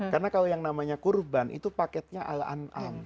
karena kalau yang namanya kurban itu paketnya ala an'am